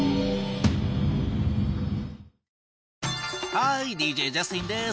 ハーイＤＪジャスティンです。